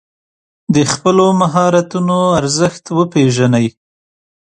د خپلو مهارتونو ارزښت وپېژنئ.